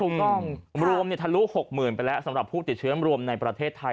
รวมทะลุ๖๐๐๐ไปแล้วสำหรับผู้ติดเชื้อรวมในประเทศไทย